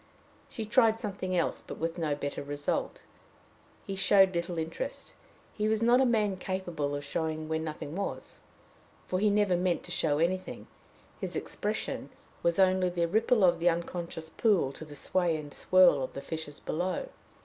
She tried something else, but with no better result. He showed little interest: he was not a man capable of showing where nothing was, for he never meant to show anything; his expression was only the ripple of the unconscious pool to the sway and swirl of the fishes below.